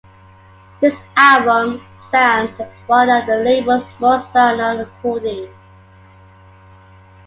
This album stands as one of the label's most well-known recordings.